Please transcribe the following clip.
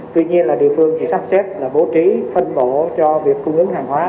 tuy nhiên là địa phương chỉ sắp xếp là bố trí phân bộ cho việc cung ứng hàng hóa